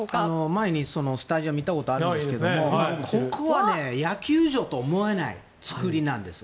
前にスタジアム行ったことあるんですけどここは野球場と思えない作りなんです。